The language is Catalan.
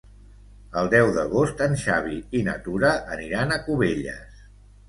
El deu d'agost en Xavi i na Tura aniran a Cubelles.